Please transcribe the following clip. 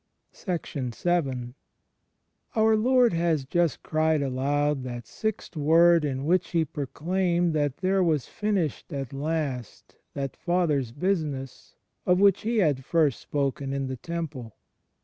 vn Our Lord has just cried aloud that Sixth Word in which He proclaimed that there was finished at last that "Father's business" of which He had first spoken in the Temple.